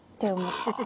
ハハハハ！